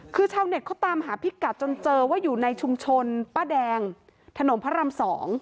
คือชาวเน็ตเขาตามหาพิกัดจนเจอว่าอยู่ในชุมชนป้าแดงถนนพระราม๒